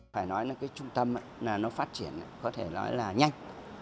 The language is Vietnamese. phải nói là cái trung tâm nó phát triển có thể nói là nhanh